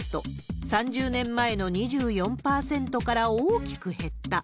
３０年前の２４％から大きく減った。